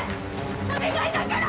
お願いだから！